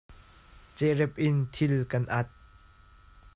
Cehrep in thil kan at.